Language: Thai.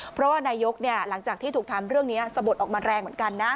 เพราะว่านายกหลังจากที่ถูกทำเรื่องนี้สะบดออกมาแรงเหมือนกันนะ